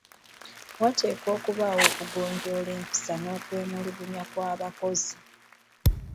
Wateekwa okubaawo okugonjoola empisa n’okwemulugunya kw’abakozi.